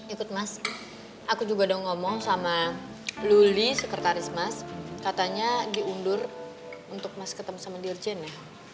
ikut mas aku juga udah ngomong sama luli sekretaris mas katanya diundur untuk mas ketemu sama dirjen ya